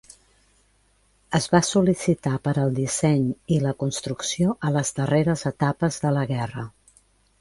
Es va sol·licitar per al disseny i la construcció a les darreres etapes de la guerra.